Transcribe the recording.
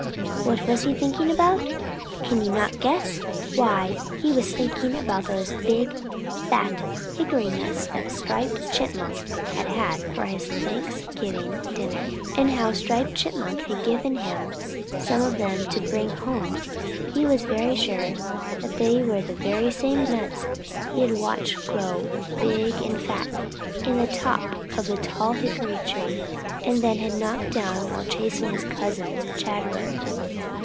What was he thinking about? Can you not guess? Why, he was thinking about those big, fat hickory nuts that Striped Chipmunk had had for his Thanksgiving dinner, and how Striped Chipmunk had given him some of them to bring home. He was very sure that they were the very same nuts that he had watched grow big and fat in the top of the tall hickory tree and then had knocked down while chasing his cousin, Chatterer.